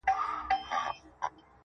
زه چي لـه چــــا سـره خبـري كـوم.